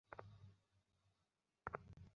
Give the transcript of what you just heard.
আমি বিলাপ করলে কী হবে?